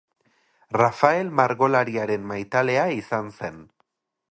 Rafael margolariaren maitalea izan zen.